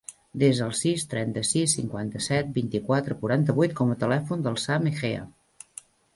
Desa el sis, trenta-sis, cinquanta-set, vint-i-quatre, quaranta-vuit com a telèfon del Sam Egea.